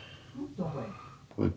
どこへ。